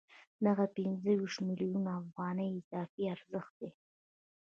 دغه پنځه ویشت میلیونه افغانۍ اضافي ارزښت دی